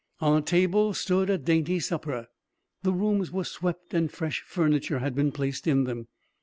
On a table stood a dainty supper. The rooms were swept, and fresh furniture had been placed in them.